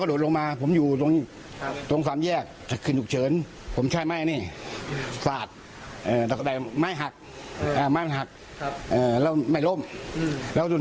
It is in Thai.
ประดูกแล้วเนี่ยเขามาเอายามาเอายาแน่นอน